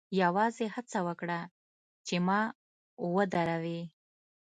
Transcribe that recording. یوازې هڅه وکړه چې ما ودروې